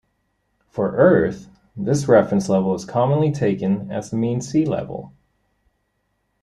For Earth, this reference level is commonly taken as the mean sea level.